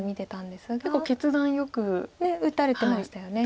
結構決断よく打たれてましたよね。